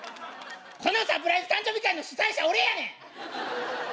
そのサプライズ誕生日会の主催者俺やねん！